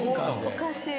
おかしい。